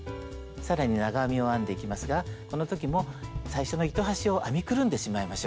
更に長編みを編んでいきますがこの時も最初の糸端を編みくるんでしまいましょう。